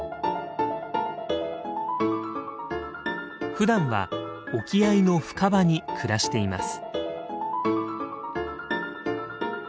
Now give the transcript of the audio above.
ふだんは沖合の深場に暮らしています。